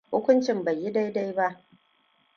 Hukuncin bai yi dai dai ba.